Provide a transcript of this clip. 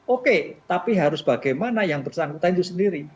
oke tapi harus bagaimana yang bersangkutan itu sendiri